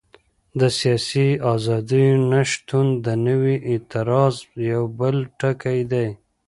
د سیاسي ازادیو نه شتون د دوی د اعتراض یو بل ټکی دی.